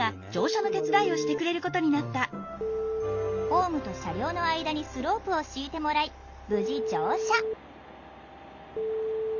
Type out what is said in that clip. ホームと車両の間にスロープを敷いてもらい無事乗車。